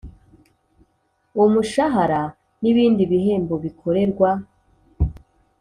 Umushahara n ibindi bihembo bikorerwa